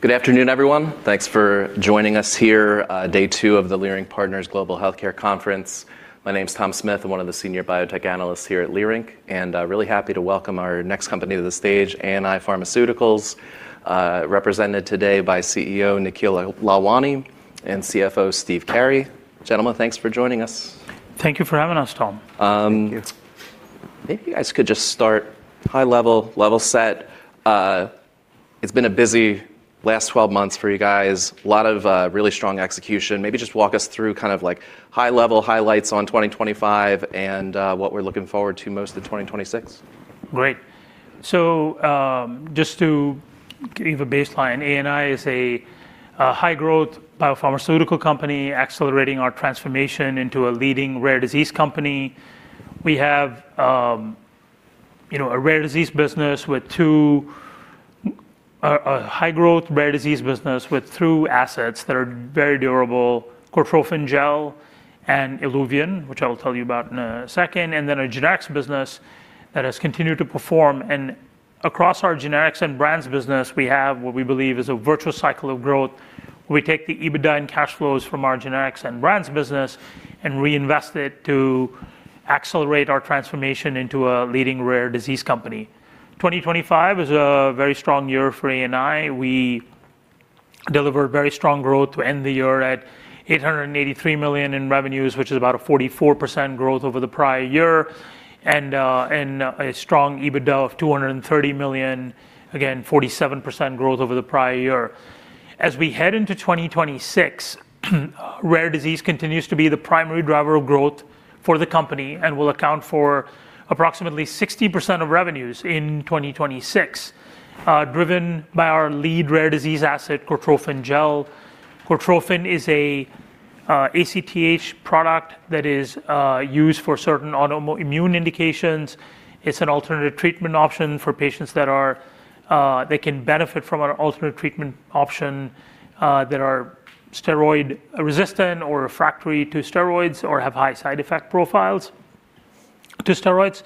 Good afternoon, everyone. Thanks for joining us here, day two of the Leerink Partners Global Healthcare Conference. My name's Tom Smith. I'm one of the senior biotech analysts here at Leerink, and really happy to welcome our next company to the stage, ANI Pharmaceuticals, represented today by CEO Nikhil Lalwani and CFO Steve Carey. Gentlemen, thanks for joining us. Thank you for having us, Tom. Thank you. Maybe you guys could just start high level set. It's been a busy last 12 months for you guys, lot of really strong execution. Maybe just walk us through kind of like high level highlights on 2025 and what we're looking forward to most in 2026. Great. Just to give a baseline, ANI is a high-growth biopharmaceutical company accelerating our transformation into a leading rare disease company. We have you know a high-growth rare disease business with two assets that are very durable, Cortrophin Gel and ILUVIEN, which I will tell you about in a second, and then a generics business that has continued to perform. Across our generics and brands business, we have what we believe is a virtual cycle of growth, where we take the EBITDA and cash flows from our generics and brands business and reinvest it to accelerate our transformation into a leading rare disease company. 2025 was a very strong year for ANI. We delivered very strong growth to end the year at $883 million in revenues, which is about a 44% growth over the prior year and a strong EBITDA of $230 million, again 47% growth over the prior year. As we head into 2026, rare disease continues to be the primary driver of growth for the company and will account for approximately 60% of revenues in 2026, driven by our lead rare disease asset, Cortrophin Gel. Cortrophin is a ACTH product that is used for certain autoimmune indications. It's an alternative treatment option for patients that can benefit from an alternate treatment option that are steroid resistant or refractory to steroids or have high side effect profiles to steroids.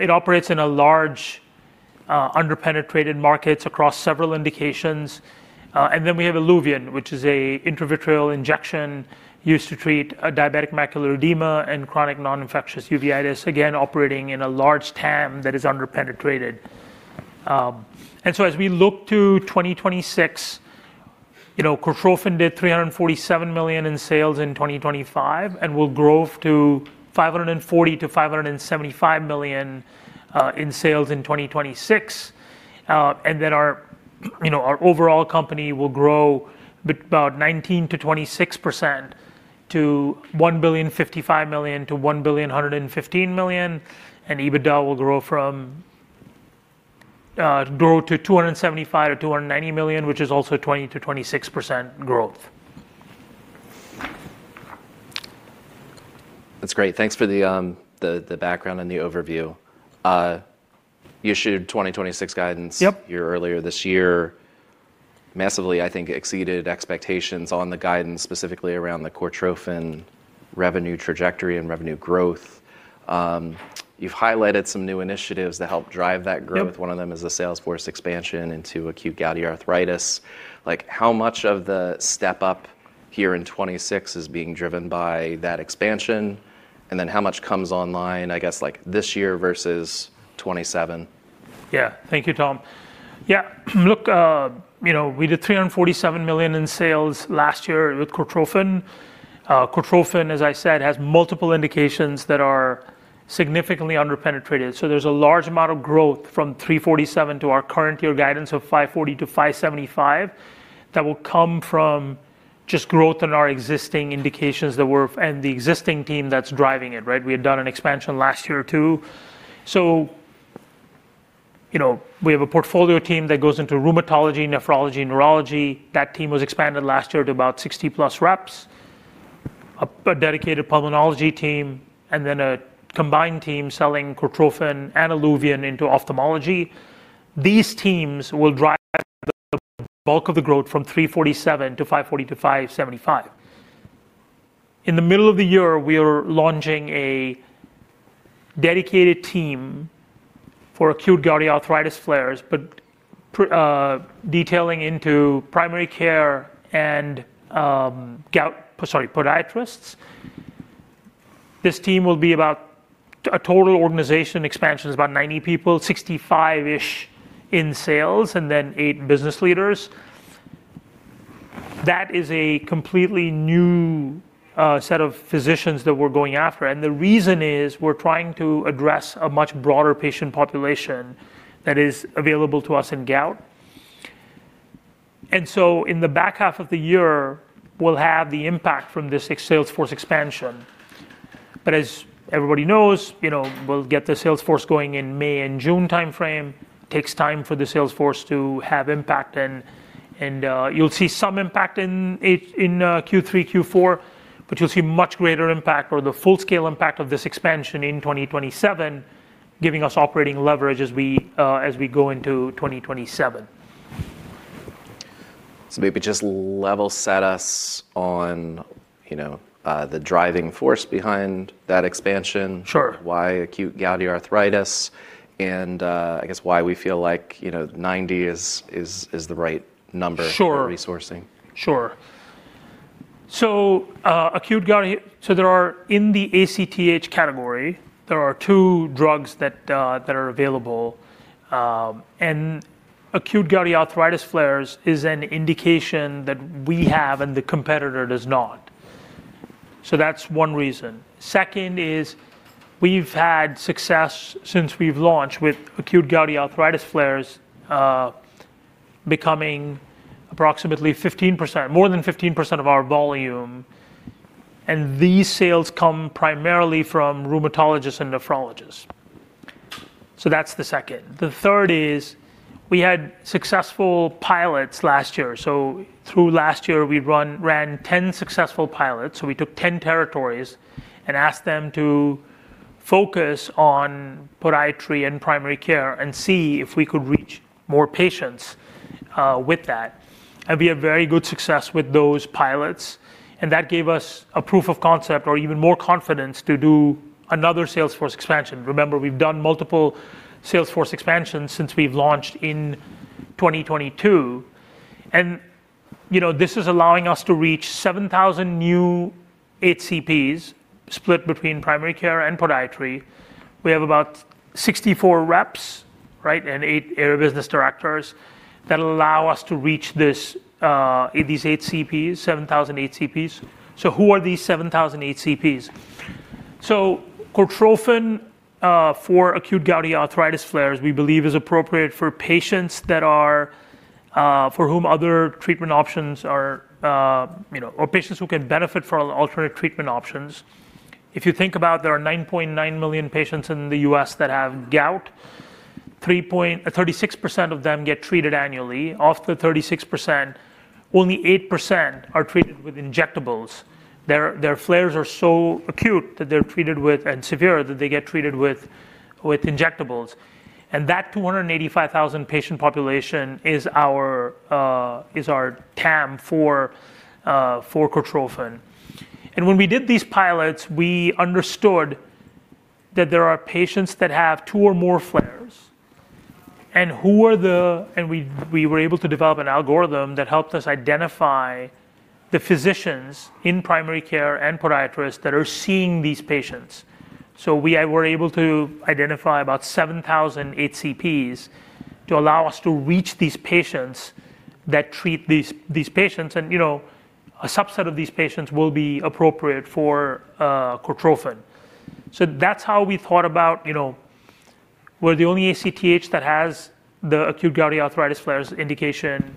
It operates in a large under-penetrated markets across several indications. We have ILUVIEN, which is a intravitreal injection used to treat diabetic macular edema and chronic non-infectious uveitis. Again, operating in a large TAM that is under-penetrated. As we look to 2026, you know, Cortrophin did $347 million in sales in 2025 and will grow to $540 million to $575 million in sales in 2026. Our overall company will grow about 19%-26% to $1.055 billion-$1.115 billion. EBITDA will grow to $275 million-$290 million, which is also 20%-26% growth. That's great. Thanks for the background and the overview. You issued 2026 guidance- Yep. ...earlier this year. Massively, I think, exceeded expectations on the guidance, specifically around the Cortrophin revenue trajectory and revenue growth. You've highlighted some new initiatives that help drive that growth. Yep. One of them is the salesforce expansion into acute gouty arthritis. Like, how much of the step up here in 2026 is being driven by that expansion, and then how much comes online, I guess, like, this year versus 2027? Yeah. Thank you, Tom. Yeah. Look, you know, we did $347 million in sales last year with Cortrophin. Cortrophin, as I said, has multiple indications that are significantly under-penetrated. There's a large amount of growth from $347 million to our current year guidance of $540 to 575 million that will come from just growth in our existing indications and the existing team that's driving it, right? We had done an expansion last year, too. You know, we have a portfolio team that goes into rheumatology, nephrology, and neurology. That team was expanded last year to about 60+ reps. A dedicated pulmonology team and then a combined team selling Cortrophin and ILUVIEN into ophthalmology. These teams will drive the bulk of the growth from $347 million to $540 million to $575 million. In the middle of the year, we are launching a dedicated team for acute gouty arthritis flares, but detailing to primary care and podiatrists. This team will be about. Our total organization expansion is about 90 people, 65-ish in sales and then eight business leaders. That is a completely new set of physicians that we're going after. The reason is we're trying to address a much broader patient population that is available to us in gout. In the back half of the year, we'll have the impact from this sales force expansion. As everybody knows, you know, we'll get the sales force going in May and June timeframe. Takes time for the sales force to have impact and you'll see some impact in Q3, Q4, but you'll see much greater impact or the full-scale impact of this expansion in 2027, giving us operating leverage as we go into 2027. Maybe just level set us on, you know, the driving force behind that expansion. Sure. Why acute gouty arthritis and, I guess why we feel like, you know, 90 is the right number? Sure for resourcing. Sure. There are in the ACTH category two drugs that are available, and acute gouty arthritis flares is an indication that we have and the competitor does not. That's one reason. Second is we've had success since we've launched with acute gouty arthritis flares becoming approximately 15%, more than 15% of our volume, and these sales come primarily from rheumatologists and nephrologists. That's the second. The third is we had successful pilots last year. Through last year, we ran 10 successful pilots. We took 10 territories and asked them to focus on podiatry and primary care and see if we could reach more patients with that. We had very good success with those pilots, and that gave us a proof of concept or even more confidence to do another sales force expansion. Remember, we've done multiple sales force expansions since we've launched in 2022. You know, this is allowing us to reach 7,000 new HCPs split between primary care and podiatry. We have about 64 reps, right, and eight area business directors that allow us to reach this, these HCPs, 7,000 HCPs. Who are these 7,000 HCPs? Cortrophin for acute gouty arthritis flares, we believe is appropriate for patients that are for whom other treatment options are, you know, or patients who can benefit from alternate treatment options. If you think about there are 9.9 million patients in the U.S. that have gout. 36% of them get treated annually. Of the 36%, only 8% are treated with injectables. Their flares are so acute and severe that they're treated with injectables. That 285,000 patient population is our TAM for Cortrophin. When we did these pilots, we understood that there are patients that have two or more flares. We were able to develop an algorithm that helped us identify the physicians in primary care and podiatrists that are seeing these patients. We were able to identify about 7,000 HCPs to allow us to reach these patients that treat these patients, and you know, a subset of these patients will be appropriate for Cortrophin. That's how we thought about, you know, we're the only ACTH that has the acute gouty arthritis flares indication.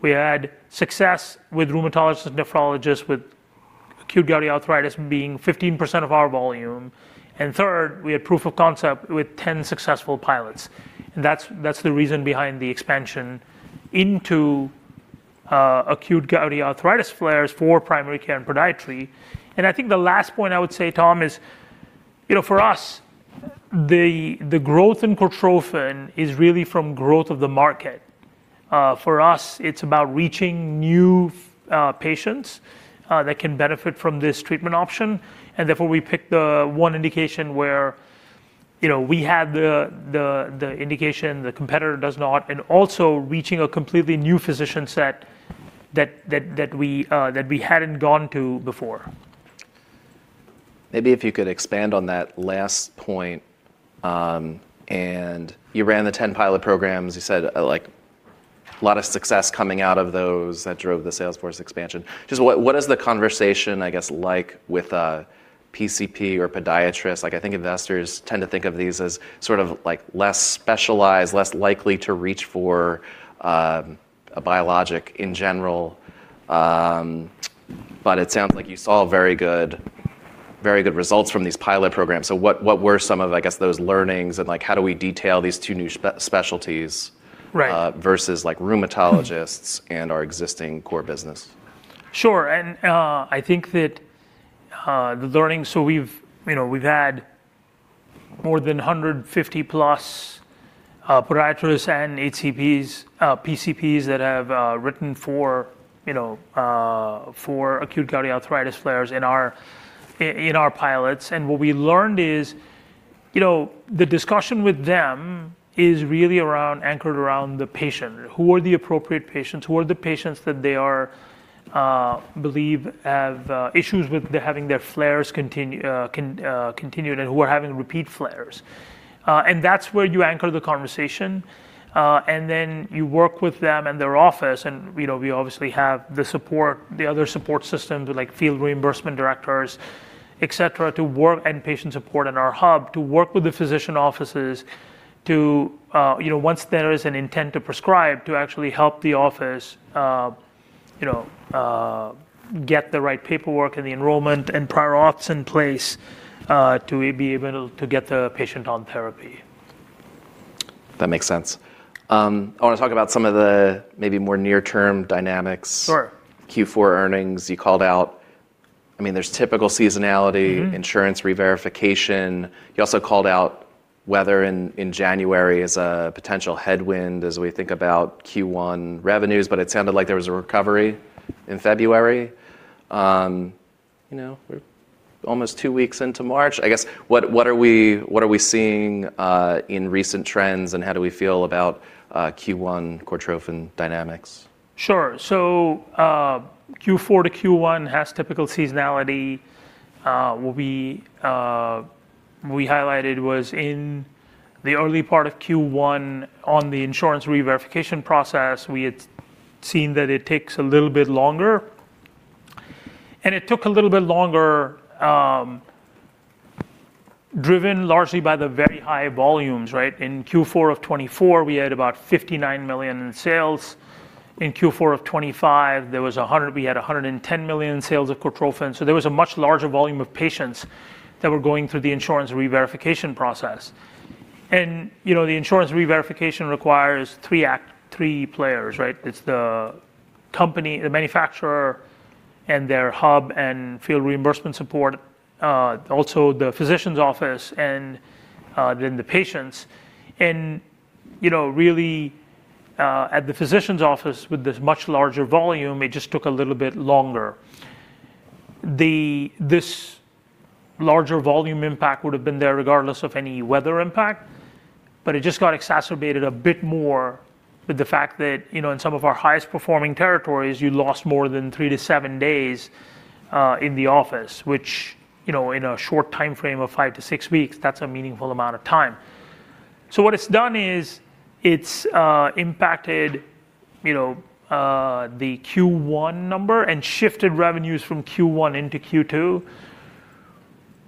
We had success with rheumatologists and nephrologists, with acute gouty arthritis being 15% of our volume. Third, we had proof of concept with 10 successful pilots. That's the reason behind the expansion into acute gouty arthritis flares for primary care and podiatry. I think the last point I would say, Tom, is, you know, for us, the growth in Cortrophin is really from growth of the market. For us, it's about reaching new patients that can benefit from this treatment option. Therefore, we picked the one indication where, you know, we have the indication, the competitor does not, and also reaching a completely new physician set that we hadn't gone to before. Maybe if you could expand on that last point, and you ran the 10 pilot programs. You said, like, a lot of success coming out of those that drove the sales force expansion. Just what is the conversation, I guess, like with a PCP or podiatrist? Like, I think investors tend to think of these as sort of like less specialized, less likely to reach for, a biologic in general. But it sounds like you saw very good results from these pilot programs. What were some of, I guess, those learnings and like how do we detail these two new specialties? Right versus like rheumatologists and our existing core business? Sure. I think that the learning. We've, you know, we've had more than 150+ podiatrists and HCPs, PCPs that have written for acute gouty arthritis flares in our pilots. What we learned is, you know, the discussion with them is really anchored around the patient. Who are the appropriate patients, who are the patients that they believe have issues with having their flares continued and who are having repeat flares. That's where you anchor the conversation, and then you work with them and their office. You know, we obviously have the support, the other support systems like field reimbursement directors, et cetera, to work and patient support in our hub to work with the physician offices to, you know, once there is an intent to prescribe, to actually help the office, you know, get the right paperwork and the enrollment and prior auths in place, to be able to get the patient on therapy. That makes sense. I wanna talk about some of the maybe more near term dynamics. Sure. Q4 earnings you called out. I mean, there's typical seasonality. Mm-hmm. Insurance reverification. You also called out weather in January as a potential headwind as we think about Q1 revenues, but it sounded like there was a recovery in February. You know, we're almost two weeks into March. I guess, what are we seeing in recent trends, and how do we feel about Q1 Cortrophin dynamics? Sure. Q4 to Q1 has typical seasonality. What we highlighted was in the early part of Q1 on the insurance reverification process, we had seen that it takes a little bit longer. It took a little bit longer, driven largely by the very high volumes, right? In Q4 of 2024, we had about $59 million in sales. In Q4 of 2025, we had $110 million sales of Cortrophin. There was a much larger volume of patients that were going through the insurance reverification process. You know, the insurance reverification requires three actors, three players, right? It's the company, the manufacturer and their hub and field reimbursement support, also the physician's office and then the patients. You know, really, at the physician's office with this much larger volume, it just took a little bit longer. This larger volume impact would have been there regardless of any weather impact, but it just got exacerbated a bit more with the fact that, you know, in some of our highest performing territories, you lost more than three to seven days in the office, which, you know, in a short timeframe of five to six weeks, that's a meaningful amount of time. What it's done is it's impacted, you know, the Q1 number and shifted revenues from Q1 into Q2.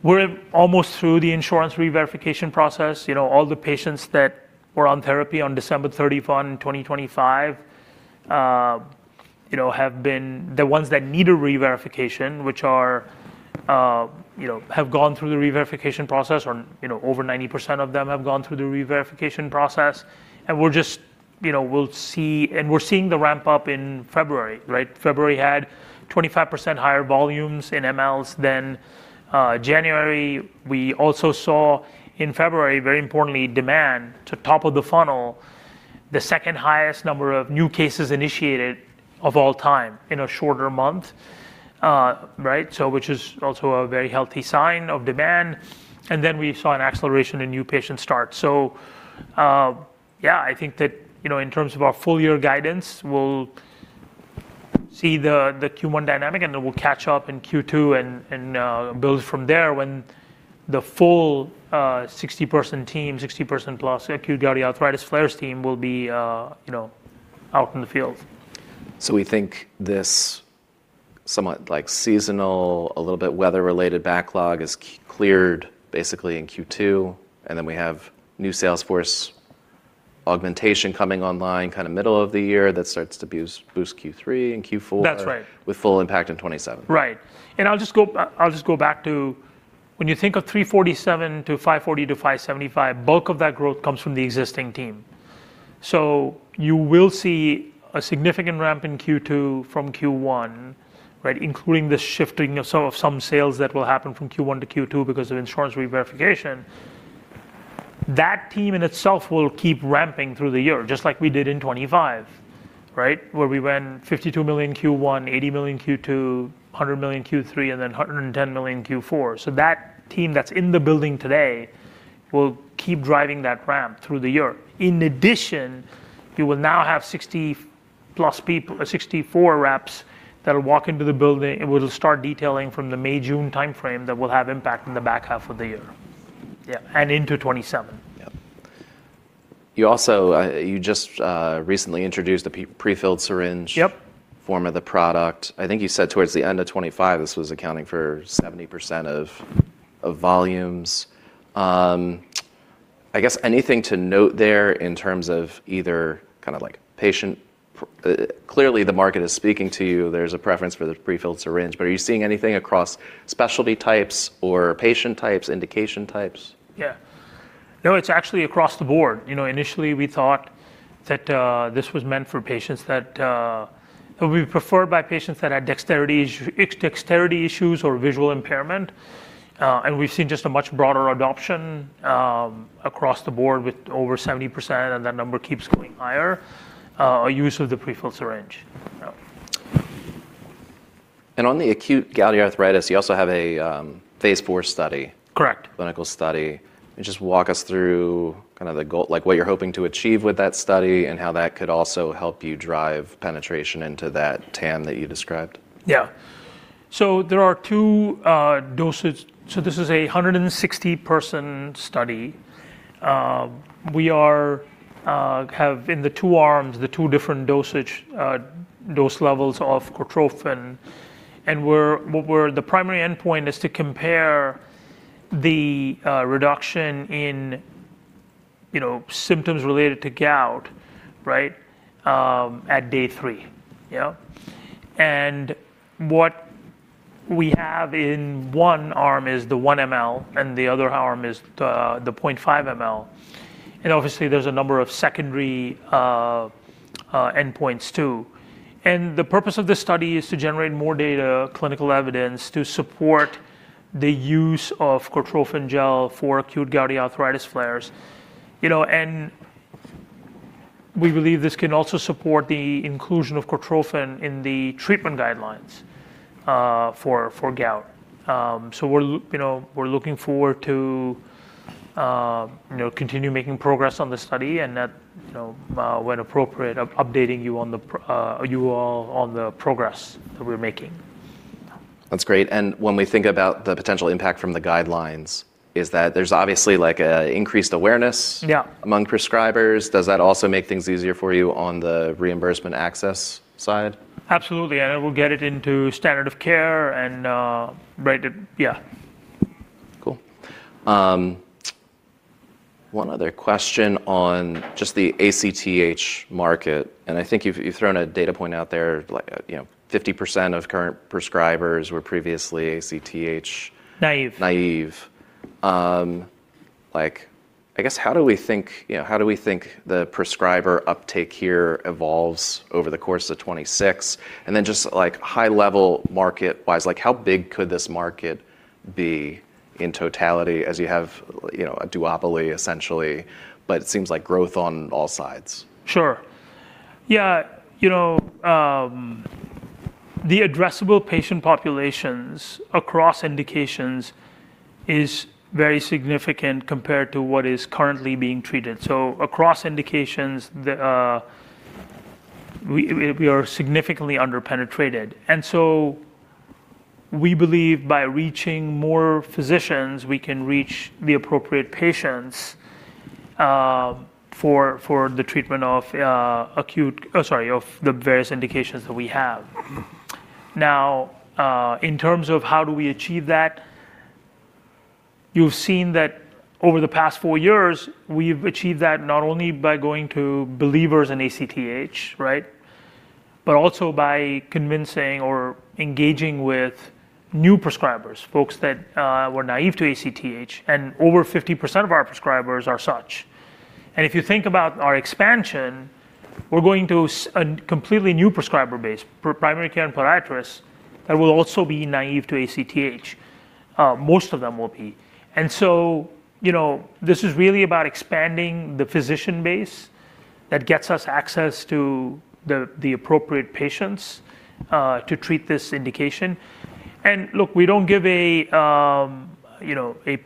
We're almost through the insurance reverification process. You know, all the patients that were on therapy on December 31, 2025, you know, have been the ones that need a reverification, which are, you know, have gone through the reverification process or, you know, over 90% of them have gone through the reverification process. We're just, you know, seeing the ramp up in February, right? February had 25% higher volumes in mLs than January. We also saw in February, very importantly, demand to top of the funnel, the second highest number of new cases initiated of all time in a shorter month. Right? Which is also a very healthy sign of demand. Then we saw an acceleration in new patient start. I think that, you know, in terms of our full year guidance, we'll see the Q1 dynamic, and then we'll catch up in Q2 and build from there when the full 60-person team, 60+ person acute gouty arthritis flares team will be, you know, out in the field. We think this somewhat like seasonal, a little bit weather-related backlog is cleared basically in Q2, and then we have new sales force augmentation coming online kinda middle of the year that starts to boost Q3 and Q4. That's right. With full impact in 2027. Right. I'll just go back to when you think of $347million to $540million to $575 million, bulk of that growth comes from the existing team. You will see a significant ramp in Q2 from Q1, right? Including the shifting of some sales that will happen from Q1 to Q2 because of insurance reverification. That team in itself will keep ramping through the year, just like we did in 2025, right? Where we went $52 million Q1, $80 million Q2, $100 million Q3, and then $110 million Q4. That team that's in the building today will keep driving that ramp through the year. In addition, you will now have 64 reps that will walk into the building and will start detailing from the May, June timeframe that will have impact in the back half of the year. Yeah. into 2027. Yep. You also just recently introduced a prefilled syringe. Yep. Form of the product. I think you said towards the end of 2025, this was accounting for 70% of volumes. I guess anything to note there in terms of. Clearly, the market is speaking to you. There's a preference for the prefilled syringe, but are you seeing anything across specialty types or patient types, indication types? Yeah. No, it's actually across the board. You know, initially, we thought that this was meant for patients that had dexterity issues or visual impairment. We've seen just a much broader adoption across the board with over 70%, and that number keeps going higher use of the prefilled syringe. Yeah. On the acute gouty arthritis, you also have a phase IV study. Correct. Clinical study. Just walk us through kind of the goal, like what you're hoping to achieve with that study and how that could also help you drive penetration into that TAM that you described. Yeah. This is a 160-person study. We have in the two arms the two different dose levels of Cortrophin. The primary endpoint is to compare the reduction in, you know, symptoms related to gout, right, at day three. You know? What we have in one arm is the 1 mL, and the other arm is the 0.5 mL. Obviously there's a number of secondary endpoints too. The purpose of this study is to generate more data, clinical evidence to support the use of Cortrophin Gel for acute gouty arthritis flares. You know, we believe this can also support the inclusion of Cortrophin in the treatment guidelines for gout. We're looking forward to, you know, continue making progress on this study and that, you know, when appropriate updating you all on the progress that we're making. That's great. When we think about the potential impact from the guidelines, is that there's obviously like a increased awareness. Yeah among prescribers. Does that also make things easier for you on the reimbursement access side? Absolutely. It will get it into standard of care and yeah. Cool. One other question on just the ACTH market, and I think you've thrown a data point out there, like, you know, 50% of current prescribers were previously ACTH- Naïve naïve. Like, I guess how do we think the prescriber uptake here evolves over the course of 2026? Just like, high level market-wise, like, how big could this market be in totality as you have, you know, a duopoly essentially, but it seems like growth on all sides. Sure. Yeah. You know, the addressable patient populations across indications is very significant compared to what is currently being treated. Across indications, we are significantly under-penetrated. We believe by reaching more physicians, we can reach the appropriate patients for the treatment of the various indications that we have. Now, in terms of how do we achieve that, you've seen that over the past four years, we've achieved that not only by going to believers in ACTH, right? Also by convincing or engaging with new prescribers, folks that were naïve to ACTH, and over 50% of our prescribers are such. If you think about our expansion, we're going to a completely new prescriber base, primary care and podiatrists, that will also be naïve to ACTH. Most of them will be. You know, this is really about expanding the physician base that gets us access to the appropriate patients to treat this indication. Look, we don't give a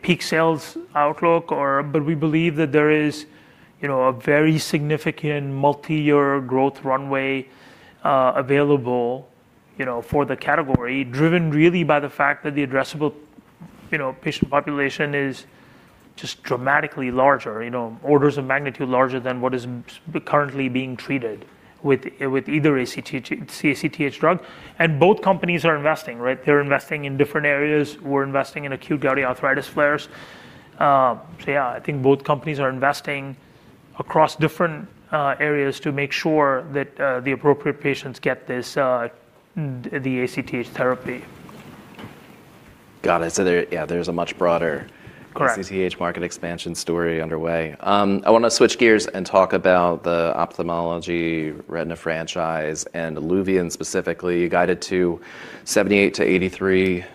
peak sales outlook or, but we believe that there is you know, a very significant multi-year growth runway available you know, for the category, driven really by the fact that the addressable you know, patient population is just dramatically larger you know, orders of magnitude larger than what is currently being treated with either ACTH drug. Both companies are investing, right? They're investing in different areas. We're investing in acute gouty arthritis flares. I think both companies are investing across different areas to make sure that the appropriate patients get this the ACTH therapy. Got it. There, yeah, there's a much broader. Correct ACTH market expansion story underway. I wanna switch gears and talk about the ophthalmology retina franchise and ILUVIEN specifically. You guided to $78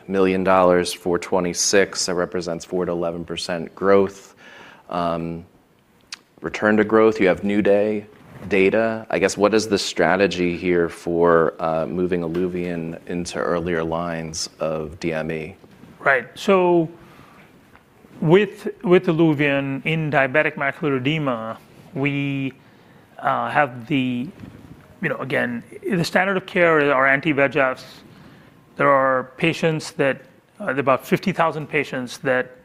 million-$83 million for 2026. That represents 4%-11% growth, return to growth. You have NEW DAY data. I guess what is the strategy here for moving ILUVIEN into earlier lines of DME? Right. With ILUVIEN in diabetic macular edema, we have the, you know, again, the standard of care are anti-VEGFs. There are patients that there are about 50,000 patients that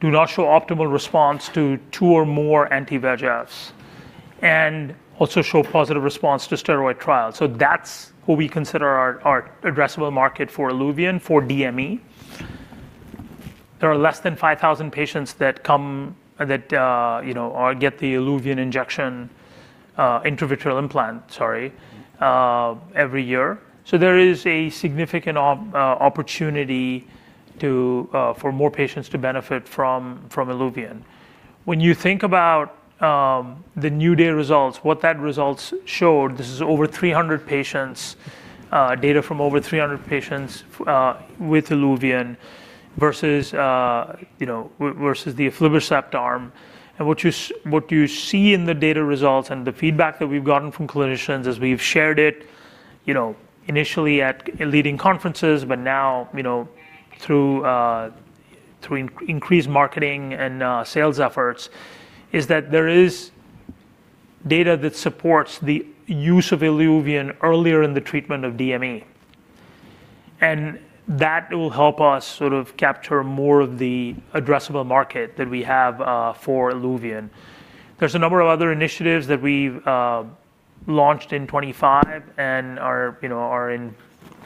do not show optimal response to two or more anti-VEGFs, and also show positive response to steroid trials. That's who we consider our addressable market for ILUVIEN, for DME. There are less than 5,000 patients that come that you know get the ILUVIEN injection, intravitreal implant, sorry, every year. There is a significant opportunity for more patients to benefit from ILUVIEN. When you think about the NEW DAY results, what that results showed, this is over 300 patients, data from over 300 patients with ILUVIEN versus you know versus the aflibercept arm. What you see in the data results and the feedback that we've gotten from clinicians as we've shared it, you know, initially at leading conferences, but now, you know, through increased marketing and sales efforts, is that there is data that supports the use of ILUVIEN earlier in the treatment of DME. That will help us sort of capture more of the addressable market that we have for ILUVIEN. There's a number of other initiatives that we've launched in 2025 and are, you know, in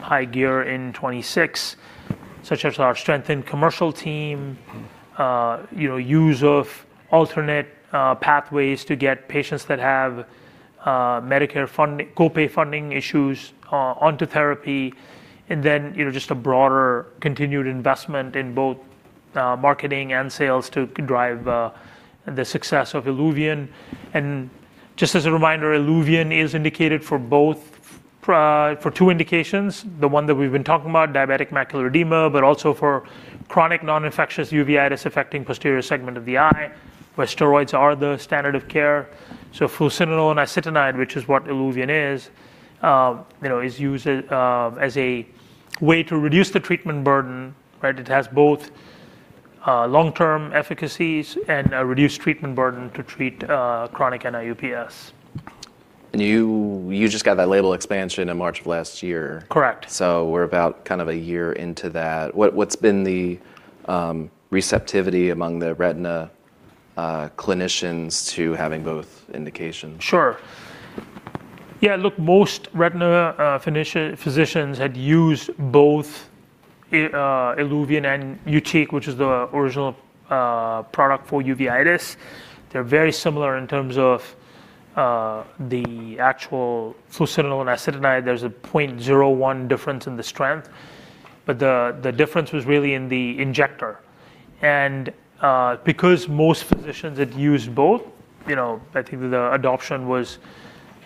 high gear in 2026, such as our strengthened commercial team, you know, use of alternate pathways to get patients that have Medicare co-pay funding issues onto therapy, and then, you know, just a broader continued investment in both marketing and sales to drive the success of ILUVIEN. Just as a reminder, ILUVIEN is indicated for both for two indications, the one that we've been talking about, diabetic macular edema, but also for chronic non-infectious uveitis affecting posterior segment of the eye, where steroids are the standard of care. Fluocinolone acetonide, which is what ILUVIEN is, you know, is used as a way to reduce the treatment burden, right? It has both long-term efficacies and a reduced treatment burden to treat chronic NIU-PS. You just got that label expansion in March of last year. Correct. We're about kind of a year into that. What's been the receptivity among the retina clinicians to having both indications? Sure. Yeah, look, most retina physicians had used both ILUVIEN and YUTIQ, which is the original product for uveitis. They're very similar in terms of the actual fluocinolone acetonide. There's a 0.01 difference in the strength, but the difference was really in the injector. Because most physicians had used both, you know, I think the adoption was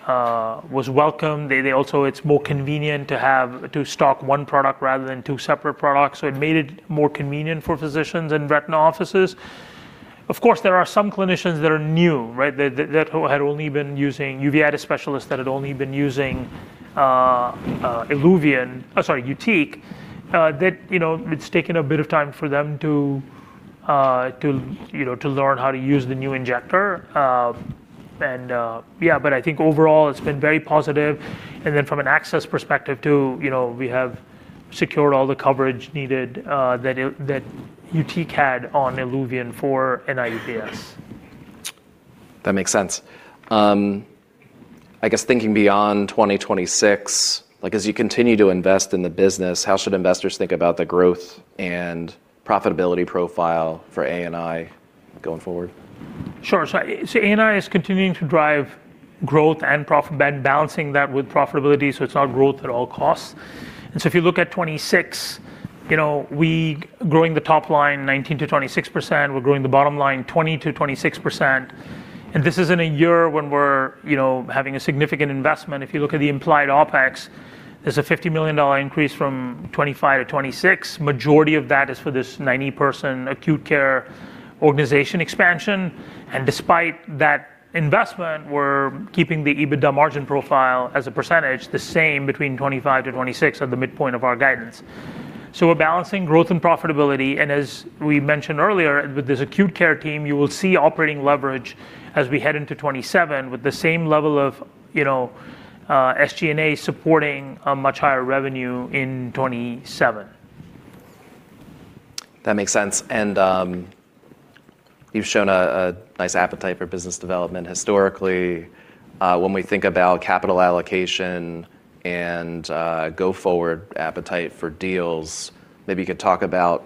welcome. Also, it's more convenient to have to stock one product rather than two separate products, so it made it more convenient for physicians in retina offices. Of course, there are some clinicians that are new, right? That had only been using uveitis specialists, that had only been using ILUVIEN, sorry, YUTIQ, you know, it's taken a bit of time for them to you know to learn how to use the new injector. I think overall it's been very positive. From an access perspective too, you know, we have secured all the coverage needed that YUTIQ had on ILUVIEN for NIU-PS. That makes sense. I guess thinking beyond 2026, like as you continue to invest in the business, how should investors think about the growth and profitability profile for ANI going forward? Sure. ANI is continuing to drive growth and profit, balancing that with profitability, so it's not growth at all costs. If you look at 2026, you know, we growing the top line 19%-26%, we're growing the bottom line 20%-26%. This is in a year when we're, you know, having a significant investment. If you look at the implied OpEx, there's a $50 million increase from 2025 to 2026. Majority of that is for this 90-person acute care organization expansion. Despite that investment, we're keeping the EBITDA margin profile as a percentage the same between 2025 to 2026 at the midpoint of our guidance. We're balancing growth and profitability, and as we mentioned earlier, with this acute care team, you will see operating leverage as we head into 2027 with the same level of, you know, SG&A supporting a much higher revenue in 2027. That makes sense. You've shown a nice appetite for business development historically. When we think about capital allocation and go-forward appetite for deals, maybe you could talk about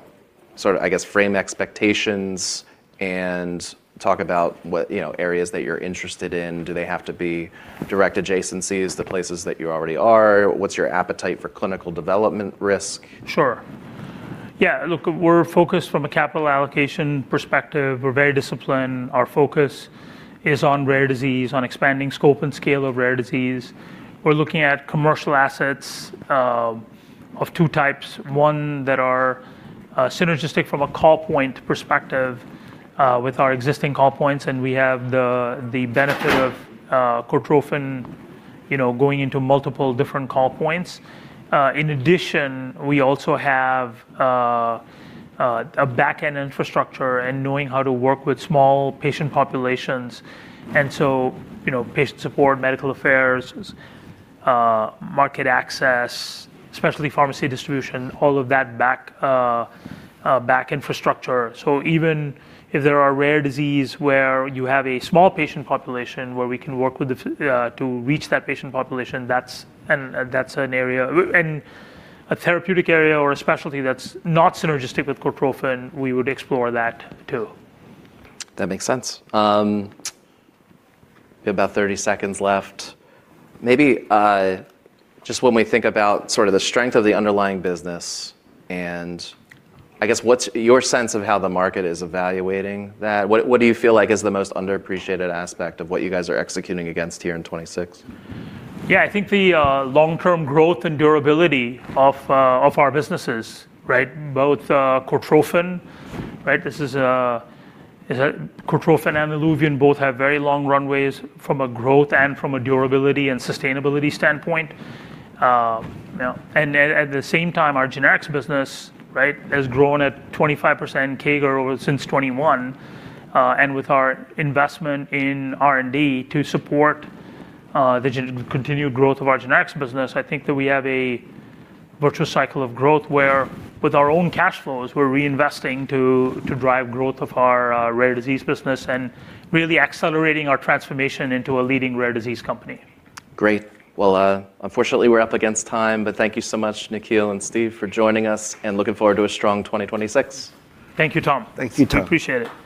sort of, I guess, frame expectations and talk about what, you know, areas that you're interested in. Do they have to be direct adjacencies to places that you already are? What's your appetite for clinical development risk? Sure. Yeah, look, we're focused from a capital allocation perspective. We're very disciplined. Our focus is on rare disease, on expanding scope and scale of rare disease. We're looking at commercial assets of two types. One that are synergistic from a call point perspective with our existing call points, and we have the benefit of Cortrophin, you know, going into multiple different call points. In addition, we also have a backend infrastructure and knowing how to work with small patient populations. You know, patient support, medical affairs, market access, specialty pharmacy distribution, all of that back infrastructure. Even if there are rare diseases where you have a small patient population where we can work with the physicians to reach that patient population, that's an area, a therapeutic area or a specialty that's not synergistic with Cortrophin. We would explore that too. That makes sense. We have about 30 seconds left. Maybe just when we think about sort of the strength of the underlying business, and I guess, what's your sense of how the market is evaluating that? What do you feel like is the most underappreciated aspect of what you guys are executing against here in 2026? Yeah. I think the long-term growth and durability of our businesses, right, both Cortrophin, right? This is Cortrophin and ILUVIEN both have very long runways from a growth and from a durability and sustainability standpoint. You know, and at the same time, our generics business, right, has grown at 25% CAGR since 2021. And with our investment in R&D to support the continued growth of our generics business, I think that we have a virtuous cycle of growth where with our own cash flows, we're reinvesting to drive growth of our rare disease business and really accelerating our transformation into a leading rare disease company. Great. Well, unfortunately, we're up against time, but thank you so much, Nikhil and Steve, for joining us, and looking forward to a strong 2026. Thank you, Tom. Thank you, Tom. We appreciate it.